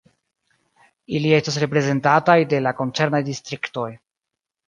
Ili estas reprezentataj de la koncernaj distriktoj.